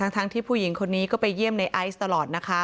ทั้งที่ผู้หญิงคนนี้ก็ไปเยี่ยมในไอซ์ตลอดนะคะ